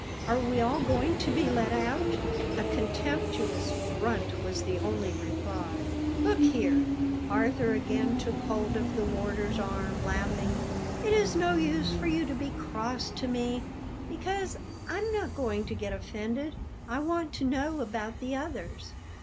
Are we all going to be let out?" A contemptuous grunt was the only reply. "Look here!" Arthur again took hold of the warder's arm, laughing. "It is no use for you to be cross to me, because I'm not going to get offended. I want to know about the others."